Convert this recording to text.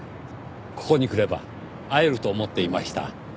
ここに来れば会えると思っていました。